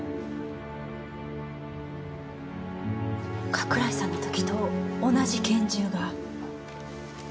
加倉井さんの時と同じ拳銃が。